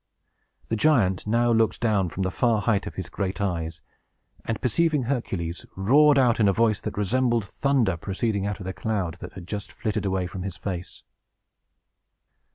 The giant now looked down from the far height of his great eyes, and, perceiving Hercules, roared out, in a voice that resembled thunder, proceeding out of the cloud that had just flitted away from his face.